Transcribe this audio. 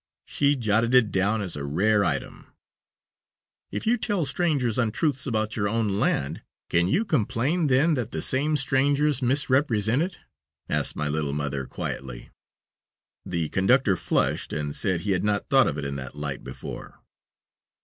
She jotted it down as a rare item." "If you tell strangers untruths about your own land can you complain, then, that the same strangers misrepresent it?" asked my little mother, quietly. The conductor flushed, and said he had not thought of it in that light before.